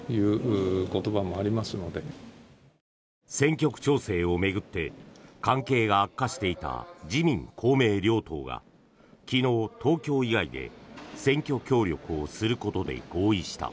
選挙区調整を巡って関係が悪化していた自民・公明両党が昨日、東京以外で選挙協力をすることで合意した。